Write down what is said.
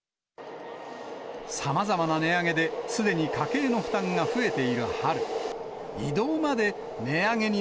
さまざまな値上げで、すでに家計の負担が増えている春。